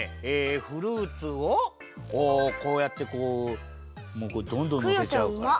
フルーツをこうやってこうどんどんのせちゃうから。